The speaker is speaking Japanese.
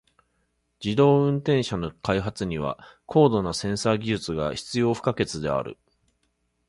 自動運転車の開発には高度なセンサー技術が必要不可欠である。